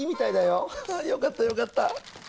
ああよかったよかった。